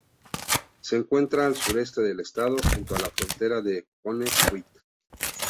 Se encuentra al sureste del estado, junto a la frontera con Connecticut.